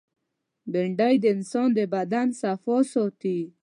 بېنډۍ د انسان د بدن صفا ساتي